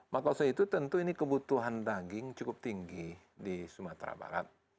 maka saya itu tentu ini kebutuhan daging cukup tinggi di sumatera barat